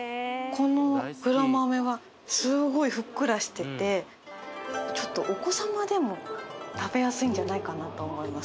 この黒豆はすごいふっくらしててちょっとお子様でも食べやすいんじゃないかなと思います